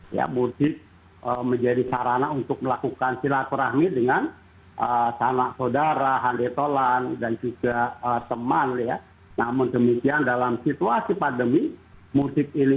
iya betul mbak eva untuk itulah kamu menerbitkan surat edaran menteri agama nomor empat tahun dua ribu dua puluh